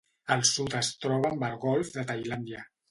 Al sud es troba amb el golf de Tailàndia.